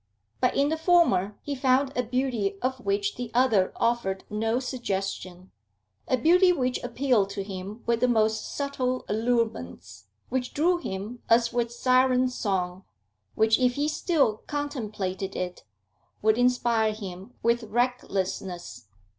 But in the former he found a beauty of which the other offered no suggestion, a beauty which appealed to him with the most subtle allurements, which drew him as with siren song, which, if he still contemplated it, would inspire him with recklessness.